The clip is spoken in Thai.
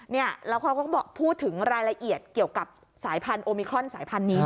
แล้วเขาก็บอกพูดถึงรายละเอียดเกี่ยวกับสายพันธุมิครอนสายพันธุ์นี้